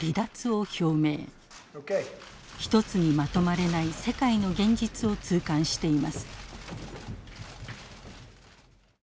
一つにまとまれない世界の現実を痛感しています。